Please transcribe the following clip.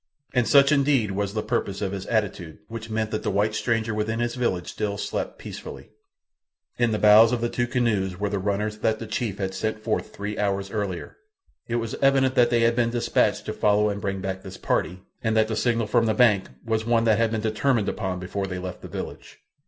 And such indeed was the purpose of his attitude—which meant that the white stranger within his village still slept peacefully. In the bows of two of the canoes were the runners that the chief had sent forth three hours earlier. It was evident that they had been dispatched to follow and bring back this party, and that the signal from the bank was one that had been determined upon before they left the village.